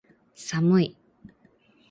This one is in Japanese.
寒い